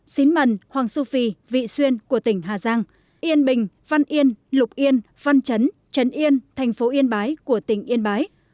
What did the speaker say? xín mần hoàng su phi vị xuyên của tỉnh hà giang yên bình văn yên lục yên văn trấn trấn yên thành phố yên bái của tỉnh yên bái